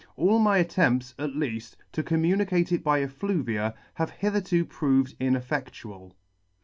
All my attempts, at leaft, to com municate it by effluvia have hitherto proved ineffectual.